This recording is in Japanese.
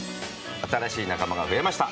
新しい仲間がふえました。